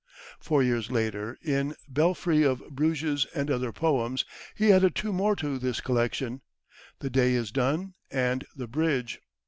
Four years later, in "The Belfry of Bruges and Other Poems," he added two more to this collection, "The Day is Done" and "The Bridge."